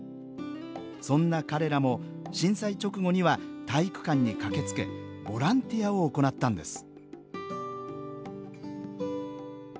そんな彼らも震災直後には体育館に駆けつけボランティアを行ったんです